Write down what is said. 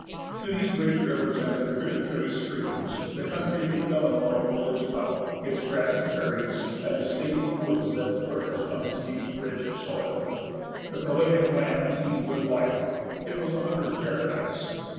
_] To these great rivers and their tributary streams the country of the Illinois owed its wealth, its grassy prairies, and the stately woods that flourished on its deep, rich soil. This prolific land teemed with life. It was a hunter's paradise.